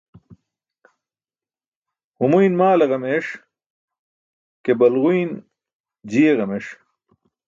Humuyn maale ġameṣ ke, balguyn jiye ġameṣ.